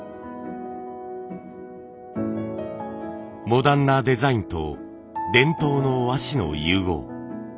モダンなデザインと伝統の和紙の融合。